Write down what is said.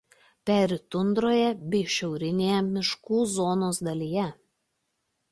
Peri tundroje bei šiaurinėje miškų zonos dalyje.